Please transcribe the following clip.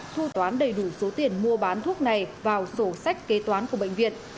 thu toán đầy đủ số tiền mua bán thuốc này vào sổ sách kế toán của bệnh viện